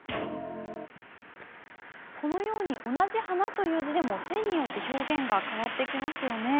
このように同じ「花」という字でも線によって表現が変わってきますよね。